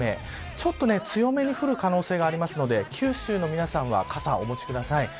ちょっと強めに降る可能性があるので九州の皆さんは傘をお持ちください。